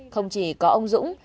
không chỉ có ông dũng